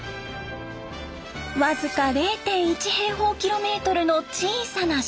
僅か０．１平方キロメートルの小さな島新島に到着。